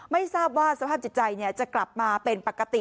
ไม่ทราบว่าสภาพจิตใจจะกลับมาเป็นปกติ